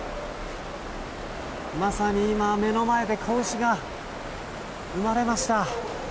まさに今、目の前で子牛が生まれました。